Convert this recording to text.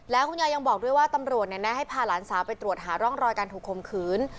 แล้วคุณยายยังบอกด้วยว่าตำรวจแนะให้พาหลานสาวไปตรวจหาร่องรอยการถูกข่มขืน